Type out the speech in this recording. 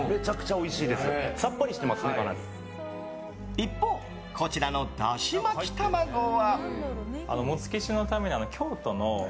一方、こちらのだし巻き玉子は。